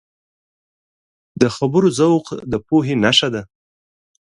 د خبرو ذوق د پوهې نښه ده